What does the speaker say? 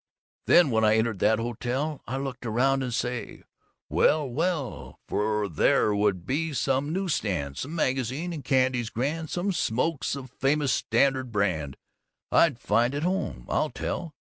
_ Then when I entered that hotel, I'd look around and say, "Well, well!" For there would be the same news stand, same _magazines and candies grand, same smokes of famous standard brand, I'd find at home, I'll tell!